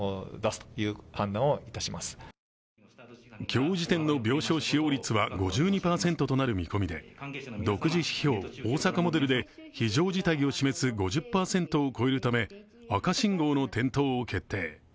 今日時点の病床使用率は５２％となる見込みで独自指標、大阪モデルで非常事態を示す５０％を超えるため赤信号の点灯を決定。